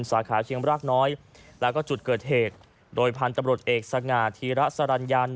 สาขาเชียงรากน้อยแล้วก็จุดเกิดเหตุโดยพันธุ์ตำรวจเอกสง่าธีระสรรยัน